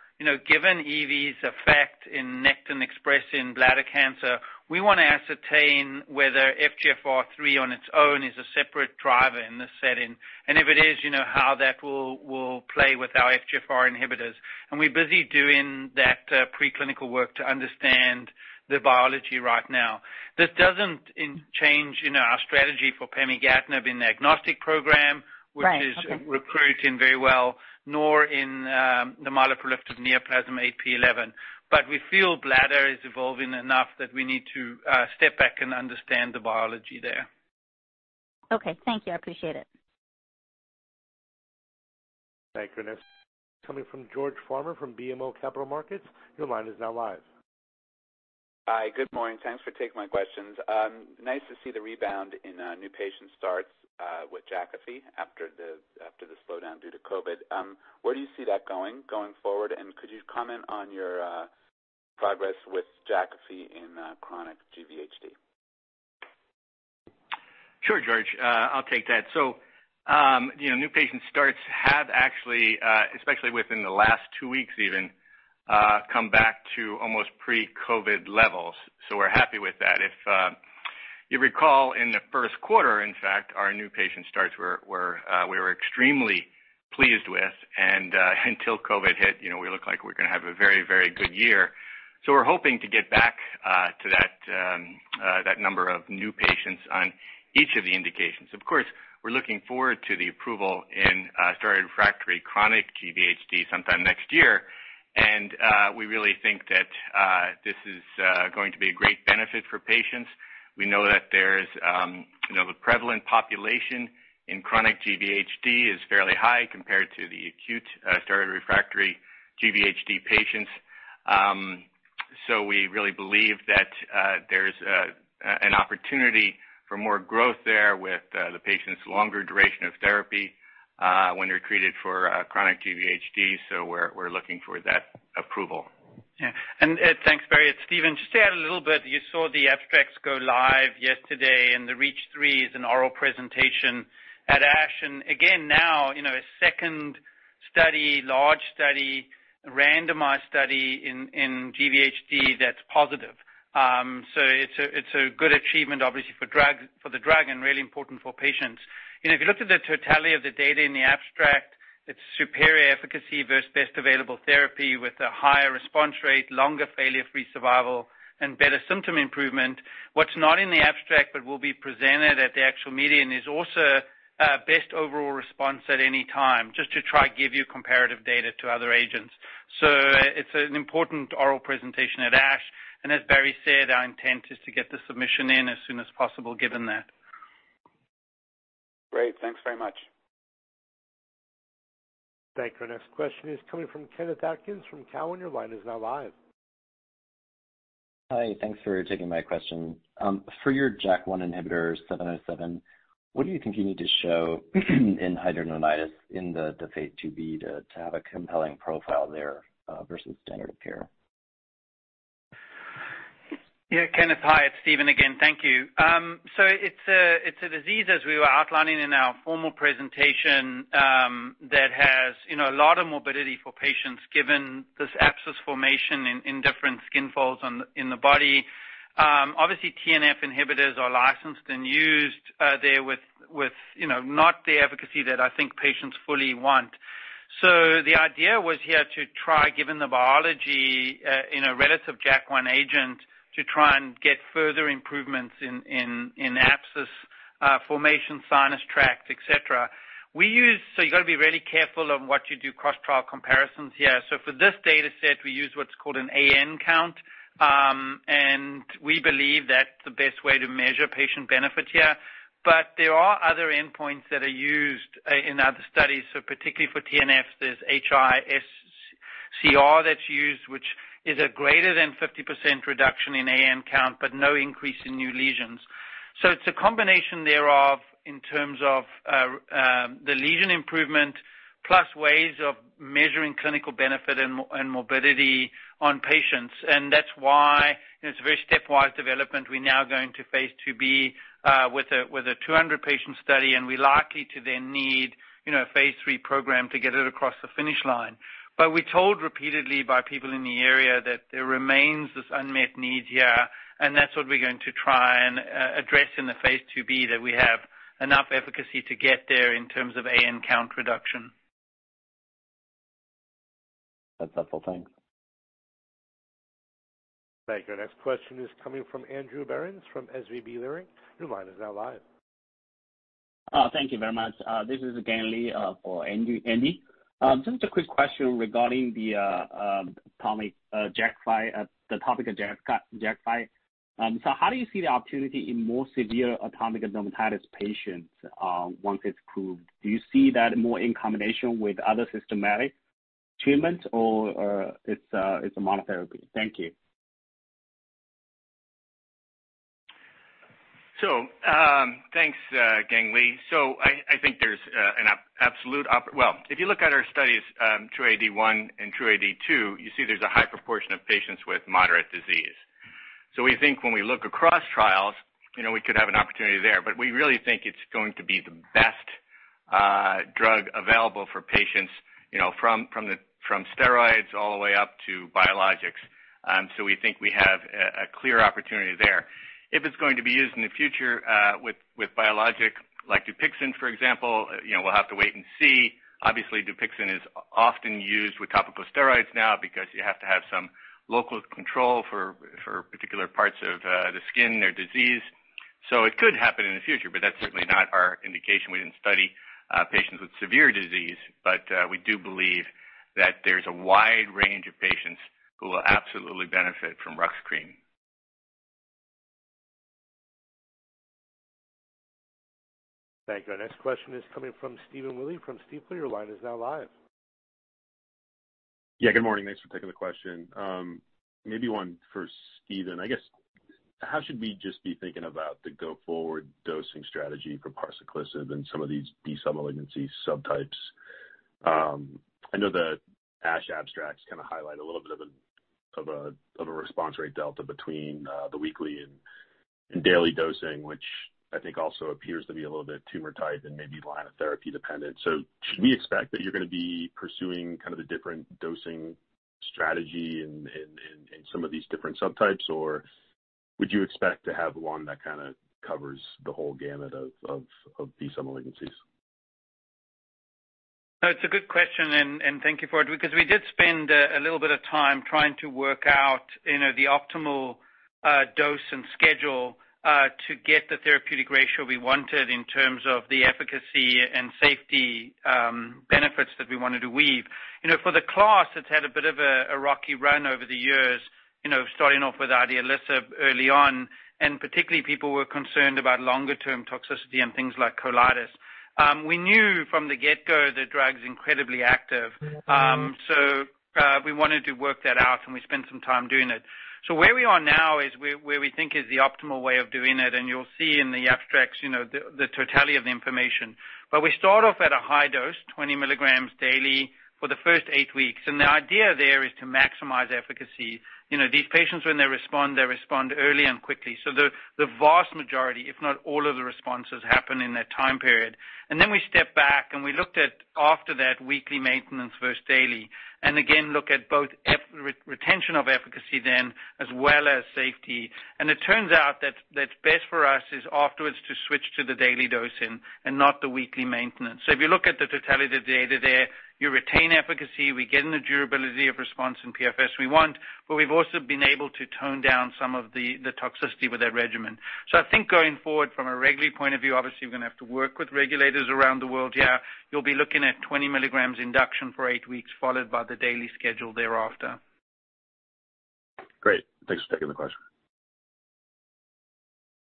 [SPEAKER 5] given EV's effect in Nectin-4 expression in bladder cancer, we want to ascertain whether FGFR3 on its own is a separate driver in this setting. If it is, how that will play with our FGFR inhibitors. We're busy doing that preclinical work to understand the biology right now. This doesn't change our strategy for pemigatinib in the agnostic program.
[SPEAKER 14] Right. Okay.
[SPEAKER 5] Which is recruiting very well, nor in the myeloproliferative neoplasm 8p11. We feel bladder is evolving enough that we need to step back and understand the biology there.
[SPEAKER 14] Okay, thank you. I appreciate it.
[SPEAKER 1] Thank you. Next coming from George Farmer from BMO Capital Markets. Your line is now live.
[SPEAKER 15] Hi. Good morning. Thanks for taking my questions. Nice to see the rebound in new patient starts with Jakafi after the slowdown due to COVID. Where do you see that going forward? Could you comment on your progress with Jakafi in chronic GVHD?
[SPEAKER 4] Sure, George, I'll take that. New patient starts have actually, especially within the last two weeks even, come back to almost pre-COVID levels. We're happy with that. If you recall, in the first quarter, in fact, our new patient starts we were extremely pleased with, and until COVID hit, we looked like we were going to have a very good year. We're hoping to get back to that number of new patients on each of the indications. Of course, we're looking forward to the approval in steroid-refractory chronic GVHD sometime next year, and we really think that this is going to be a great benefit for patients. We know that there's the prevalent population in chronic GVHD is fairly high compared to the acute steroid-refractory GVHD patients. We really believe that there's an opportunity for more growth there with the patient's longer duration of therapy when they're treated for chronic GVHD. We're looking for that approval.
[SPEAKER 5] Yeah thanks, Barry, it's Steven. Just to add a little bit, you saw the abstracts go live yesterday and the REACH3 is an oral presentation at Ash. Again, now, a second study, large study, randomized study in GVHD that's positive. It's a good achievement, obviously, for the drug and really important for patients. If you looked at the totality of the data in the abstract, it's superior efficacy versus best available therapy with a higher response rate, longer failure-free survival, and better symptom improvement. What's not in the abstract but will be presented at the actual meeting is also best overall response at any time, just to try to give you comparative data to other agents. It's an important oral presentation at Ash, and as Barry said, our intent is to get the submission in as soon as possible given that.
[SPEAKER 15] Great. Thanks very much.
[SPEAKER 1] Thank you. Our next question is coming from Ken Cacciatore from Cowen. Your line is now live.
[SPEAKER 16] Hi. Thanks for taking my question. For your JAK1 inhibitor INCB054707, what do you think you need to show in hidradenitis in the phase II-B to have a compelling profile there, versus standard of care?
[SPEAKER 5] Yeah, Kenneth, hi. It's Steven again. Thank you. It's a disease, as we were outlining in our formal presentation, that has a lot of morbidity for patients given this abscess formation in different skin folds in the body. Obviously, TNF inhibitors are licensed and used there with not the efficacy that I think patients fully want. The idea was here to try, given the biology in a relative JAK1 agent, to try and get further improvements in abscess formation, sinus tract, et cetera. You've got to be really careful on what you do cross-trial comparisons here. For this data set, we use what's called an AN count, and we believe that's the best way to measure patient benefit here. There are other endpoints that are used in other studies. Particularly for TNFs, there's (HRSCR) that's used, which is a greater than 50% reduction in AN count, but no increase in new lesions. It's a combination thereof in terms of the lesion improvement plus ways of measuring clinical benefit and morbidity on patients. That's why it's a very stepwise development. We're now going to phase IIb with a 200-patient study, and we're likely to then need a phase III program to get it across the finish line. We're told repeatedly by people in the area that there remains this unmet need here, and that's what we're going to try and address in the phase IIb, that we have enough efficacy to get there in terms of AN count reduction.
[SPEAKER 16] That's helpful. Thanks.
[SPEAKER 1] Thank you. Our next question is coming from Andrew Berens from SVB Leerink. Your line is now live.
[SPEAKER 17] Thank you very much. This is Gang Li for Andy. Just a quick question regarding the topic of Jakafi. How do you see the opportunity in more severe atopic dermatitis patients once it's approved? Do you see that more in combination with other systematic treatments, or it's a monotherapy? Thank you.
[SPEAKER 4] Thanks, Gang Li. I think there's an absolute, if you look at our studies, TRuE-AD1 and TRuE-AD2, you see there's a high proportion of patients with moderate disease. We think when we look across trials, we could have an opportunity there, but we really think it's going to be the best drug available for patients, from steroids all the way up to biologics. We think we have a clear opportunity there. If it's going to be used in the future, with biologic, like DUPIXENT, for example, we'll have to wait and see. Obviously, DUPIXENT is often used with topical steroids now because you have to have some local control for particular parts of the skin, their disease. It could happen in the future, but that's certainly not our indication. We didn't study patients with severe disease, but we do believe that there's a wide range of patients who will absolutely benefit from RUX cream.
[SPEAKER 1] Thank you. Our next question is coming from Stephen Willey from Stifel.
[SPEAKER 18] Yeah, good morning, thanks for taking the question. Maybe one for Steven. I guess, how should we just be thinking about the go-forward dosing strategy for parsaclisib and some of these B-cell malignancy subtypes? I know the ASH abstracts kind of highlight a little bit of a response rate delta between the weekly and daily dosing, which I think also appears to be a little bit tumor type and maybe line of therapy dependent. Should we expect that you're going to be pursuing kind of the different dosing strategy in some of these different subtypes, or would you expect to have one that kind of covers the whole gamut of B-cell malignancies?
[SPEAKER 5] No, it's a good question, and thank you for it, because we did spend a little bit of time trying to work out the optimal dose and schedule to get the therapeutic ratio we wanted in terms of the efficacy and safety benefits that we wanted to weave. For the class, it's had a bit of a rocky run over the years, starting off with idelalisib early on, and particularly people were concerned about longer-term toxicity and things like colitis. We knew from the get-go the drug's incredibly active. We wanted to work that out, and we spent some time doing it. Where we are now is where we think is the optimal way of doing it, and you'll see in the abstracts the totality of the information. We start off at a high dose, 20 milligrams daily for the first eight weeks, and the idea there is to maximize efficacy. These patients, when they respond, they respond early and quickly. The vast majority, if not all of the responses, happen in that time period. Then we step back, and we looked at after that weekly maintenance versus daily, again, look at both retention of efficacy then as well as safety. It turns out that best for us is afterwards to switch to the daily dosing and not the weekly maintenance. If you look at the totality of the data there, you retain efficacy. We get the durability of response in PFS we want, but we've also been able to tone down some of the toxicity with that regimen. I think going forward from a regulatory point of view, obviously, we're going to have to work with regulators around the world here. You'll be looking at 20 milligrams induction for eight weeks, followed by the daily schedule thereafter.
[SPEAKER 18] Great. Thanks for taking the question.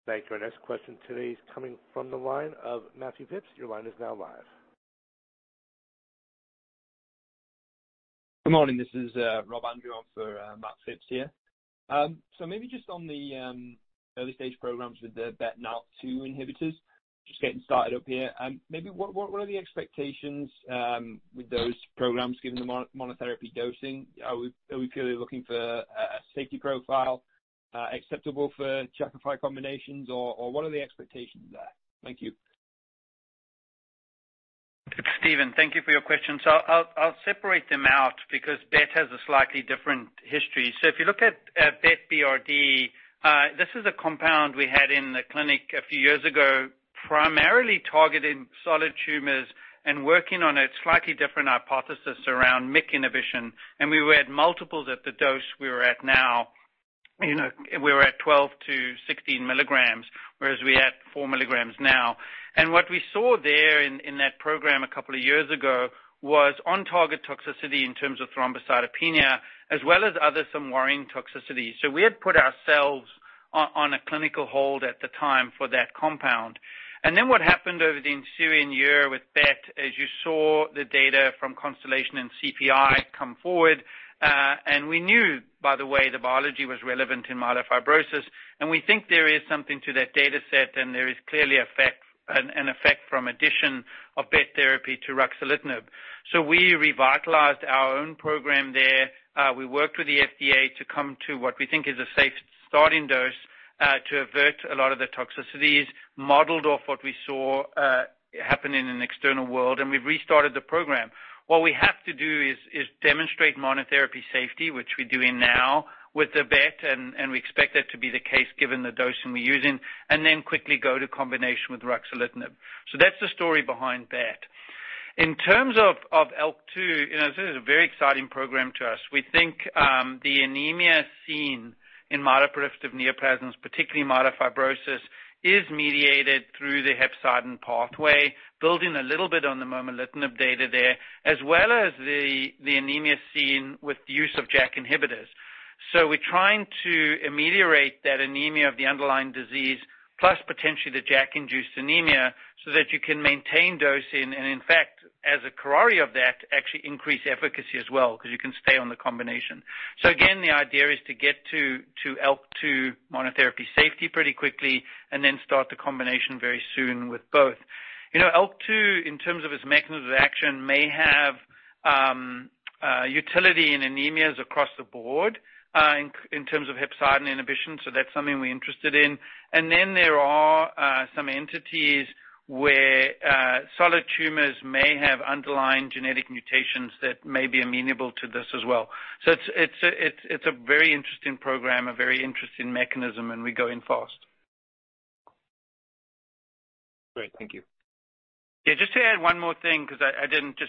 [SPEAKER 1] Thank you. Our next question today is coming from the line of Matthew Phipps. Your line is now live.
[SPEAKER 19] Good morning. This is Rob Andrews for Matt Phipps here. Just on the early-stage programs with the BET and ALK2 inhibitors, just getting started up here. Maybe what are the expectations with those programs, given the monotherapy dosing? Are we clearly looking for a safety profile acceptable for Jakafi combinations, or what are the expectations there? Thank you.
[SPEAKER 5] Steven, thank you for your question. I'll separate them out because BET has a slightly different history. If you look at BET BRD, this is a compound we had in the clinic a few years ago, primarily targeting solid tumors and working on a slightly different hypothesis around MYC inhibition, and we were at multiples at the dose we're at now. We were at 12 to 16 milligrams, whereas we at four milligrams now. What we saw there in that program a couple of years ago was on-target toxicity in terms of thrombocytopenia, as well as other some worrying toxicities. We had put ourselves on a clinical hold at the time for that compound. What happened over the ensuing year with BET, as you saw the data from Constellation and CPI come forward, we knew, by the way, the biology was relevant in myelofibrosis, there is something to that data set, there is clearly an effect from addition of BET therapy to ruxolitinib. We revitalized our own program there. We worked with the FDA to come to what we think is a safe starting dose to avert a lot of the toxicities, modeled off what we saw happen in an external world, we've restarted the program. What we have to do is demonstrate monotherapy safety, which we're doing now with the BET, we expect that to be the case given the dosing we're using, quickly go to combination with ruxolitinib. That's the story behind BET. In terms of ALK2, this is a very exciting program to us. We think the anemia seen in myeloproliferative neoplasms, particularly myelofibrosis, is mediated through the hepcidin pathway, building a little bit on the momelotinib data there, as well as the anemia seen with the use of JAK inhibitors. We're trying to ameliorate that anemia of the underlying disease, plus potentially the JAK-induced anemia, so that you can maintain dosing, and in fact, as a corollary of that, actually increase efficacy as well, because you can stay on the combination. Again, the idea is to get to ALK2 monotherapy safety pretty quickly, and then start the combination very soon with both. ALK2, in terms of its mechanism of action, may have utility in anemias across the board in terms of hepcidin inhibition, so that's something we're interested in. There are some entities where solid tumors may have underlying genetic mutations that may be amenable to this as well. It's a very interesting program, a very interesting mechanism, and we're going fast.
[SPEAKER 19] Great, thank you.
[SPEAKER 5] Yeah, just to add one more thing, because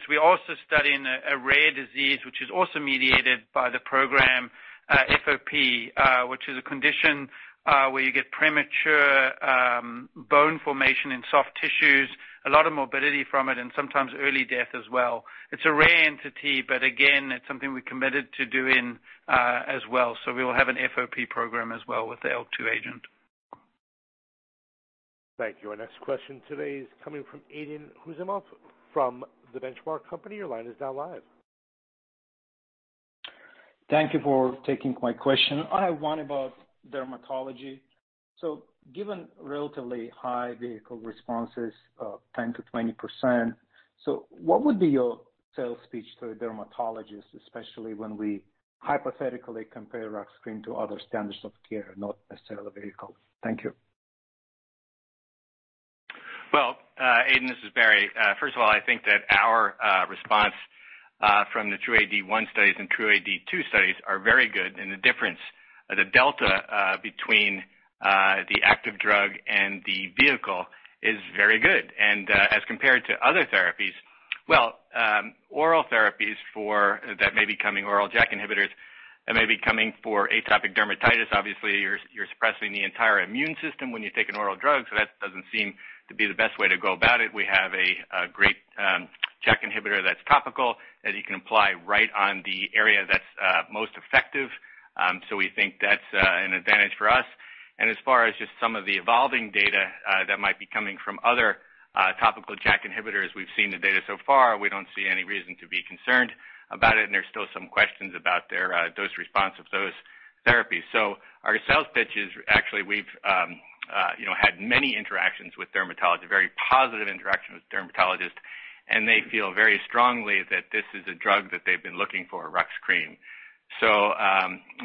[SPEAKER 5] we're also studying a rare disease, which is also mediated by the program, FOP, which is a condition where you get premature bone formation in soft tissues, a lot of morbidity from it, and sometimes early death as well. It's a rare entity, but again, it's something we're committed to doing as well. We will have an FOP program as well with the ALK2 agent.
[SPEAKER 1] Thank you. Our next question today is coming from Aydin Huseynov from The Benchmark Company.
[SPEAKER 20] Thank you for taking my question. I have one about dermatology. Given relatively high vehicle responses of 10%-20%, what would be your sales pitch to a dermatologist, especially when we hypothetically compare ruxcrem to other standards of care, not necessarily the vehicle? Thank you.
[SPEAKER 4] Aydin, this is Barry. First of all, I think that our response from the TRuE-AD1 studies and TRuE-AD2 studies are very good, and the difference, the delta between the active drug and the vehicle is very good. As compared to other therapies, well, oral therapies that may be coming, oral JAK inhibitors that may be coming for atopic dermatitis, obviously, you're suppressing the entire immune system when you take an oral drug, so that doesn't seem to be the best way to go about it. We have a great JAK inhibitor that's topical, that you can apply right on the area that's most effective. We think that's an advantage for us. As far as just some of the evolving data that might be coming from other topical JAK inhibitors, we've seen the data so far. We don't see any reason to be concerned about it, and there's still some questions about their dose response of those therapies. Our sales pitch is actually we've had many interactions with dermatologists, very positive interactions with dermatologists, and they feel very strongly that this is a drug that they've been looking for, Rux cream.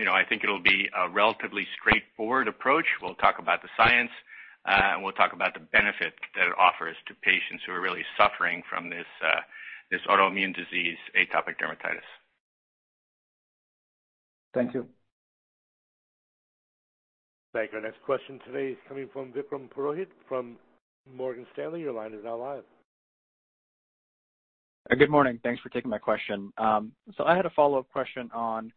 [SPEAKER 4] I think it'll be a relatively straightforward approach. We'll talk about the science, and we'll talk about the benefit that it offers to patients who are really suffering from this autoimmune disease, atopic dermatitis.
[SPEAKER 20] Thank you.
[SPEAKER 1] Thank you. Our next question today is coming from Vikram Purohit from Morgan Stanley. Your line is now live.
[SPEAKER 21] Good morning, thanks for taking my question. I had a follow-up question on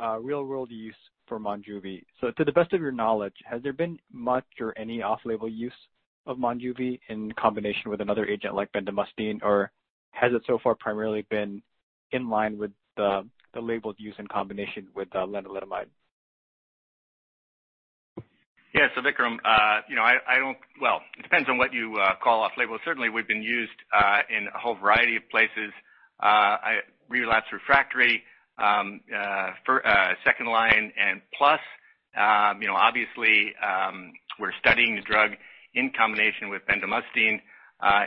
[SPEAKER 21] real-world use for MONJUVI. To the best of your knowledge, has there been much or any off-label use of MONJUVI in combination with another agent like bendamustine, or has it so far primarily been in line with the labeled use in combination with lenalidomide?
[SPEAKER 4] Yeah. Vikram, well, it depends on what you call off-label. Certainly, we've been used in a whole variety of places, relapsed/refractory, second line, and plus, obviously, we're studying the drug in combination with bendamustine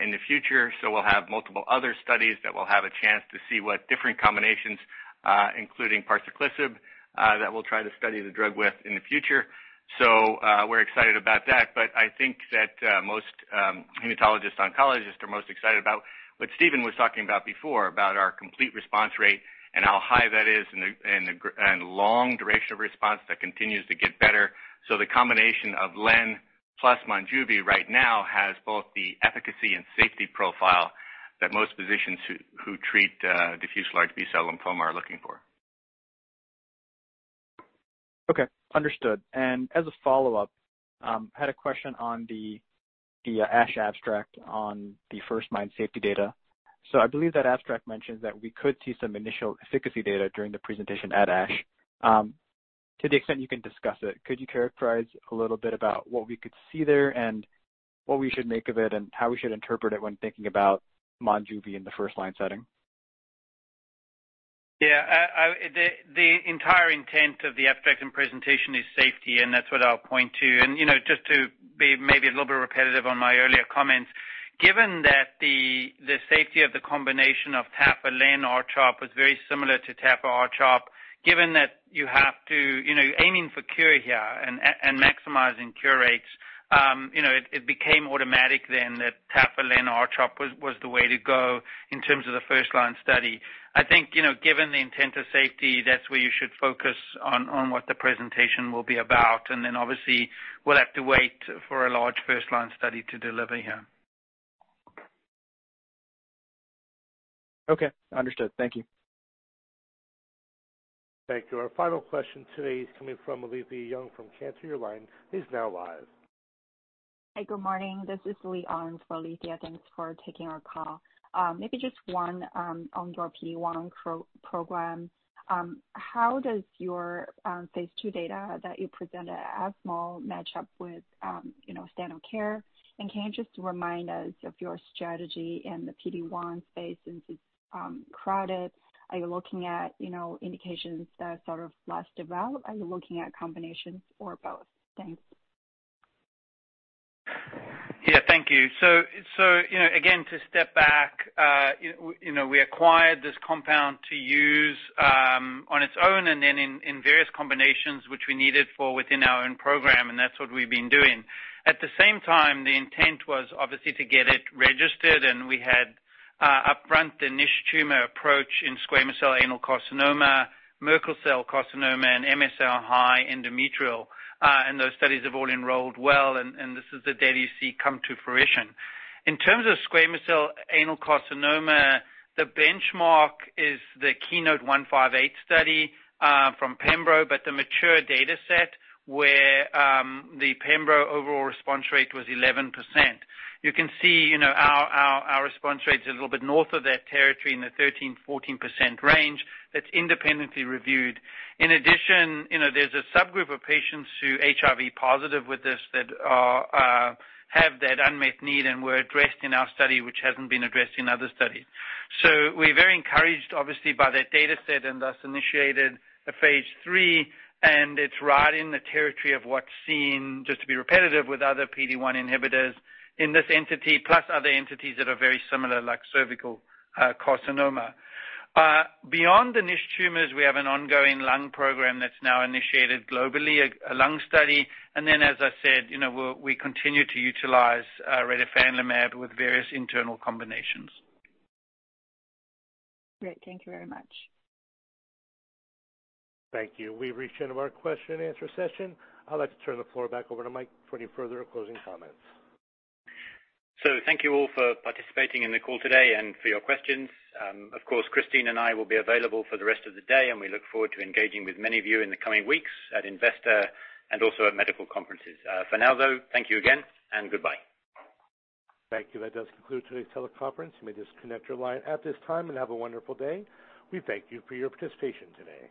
[SPEAKER 4] in the future. We'll have multiple other studies that we'll have a chance to see what different combinations, including parsaclisib, that we'll try to study the drug with in the future. We're excited about that. I think that most hematologist oncologists are most excited about what Stephen was talking about before, about our complete response rate and how high that is and long duration of response that continues to get better. The combination of len plus MONJUVI right now has both the efficacy and safety profile that most physicians who treat diffuse large B-cell lymphoma are looking for.
[SPEAKER 21] Okay, understood. As a follow-up, I had a question on the ASH abstract on the First-MIND safety data. I believe that abstract mentions that we could see some initial efficacy data during the presentation at ASH. To the extent you can discuss it, could you characterize a little bit about what we could see there and what we should make of it, and how we should interpret it when thinking about MONJUVI in the first-line setting?
[SPEAKER 5] Yeah. The entire intent of the abstract and presentation is safety, and that's what I'll point to. Just to be maybe a little bit repetitive on my earlier comments, given that the safety of the combination of Tafa-Len-R-CHOP was very similar to Tafa R-CHOP, given that you're aiming for cure here and maximizing cure rates, it became automatic that Tafa-Len-R-CHOP was the way to go in terms of the first-line study. I think, given the intent of safety, that's where you should focus on what the presentation will be about. Obviously, we'll have to wait for a large first-line study to deliver here.
[SPEAKER 21] Okay, understood. Thank you.
[SPEAKER 1] Thank you. Our final question today is coming from Alethia Young from Cantor.
[SPEAKER 22] Hi. Good morning. This is Li on for Alethia, thanks for taking our call. Maybe just one on your PD-1 program. How does your phase II data that you present at ESMO match up with standard care? Can you just remind us of your strategy in the PD-1 space since it's crowded? Are you looking at indications that are sort of less developed? Are you looking at combinations or both? Thanks.
[SPEAKER 5] Yeah, thank you. Again, to step back, we acquired this compound to use on its own and then in various combinations which we needed for within our own program, and that's what we've been doing. At the same time, the intent was obviously to get it registered. We had upfront the niche tumor approach in squamous cell anal carcinoma, Merkel cell carcinoma, and MSI-high endometrial. Those studies have all enrolled well. This is the data you see come to fruition. In terms of squamous cell anal carcinoma, the benchmark is the KEYNOTE-158 study from pembrolizumab. The mature data set where the pembrolizumab overall response rate was 11%. You can see our response rate's a little bit north of that territory in the 13%-14% range that's independently reviewed. In addition, there's a subgroup of patients who HIV positive with this that have that unmet need and were addressed in our study, which hasn't been addressed in other studies. We're very encouraged, obviously, by that data set and thus initiated a phase III, and it's right in the territory of what's seen, just to be repetitive, with other PD-1 inhibitors in this entity, plus other entities that are very similar, like cervical carcinoma. Beyond the niche tumors, we have an ongoing lung program that's now initiated globally, a lung study. As I said, we'll continue to utilize retifanlimab with various internal combinations.
[SPEAKER 22] Great. Thank you very much.
[SPEAKER 1] Thank you. We've reached the end of our question and answer session. I'd like to turn the floor back over to Mike for any further closing comments.
[SPEAKER 2] Thank you all for participating in the call today and for your questions. Of course, Christine and I will be available for the rest of the day, and we look forward to engaging with many of you in the coming weeks at Investor and also at medical conferences. For now, though, thank you again, and goodbye.
[SPEAKER 1] Thank you. That does conclude today's teleconference. You may disconnect your line at this time and have a wonderful day. We thank you for your participation today.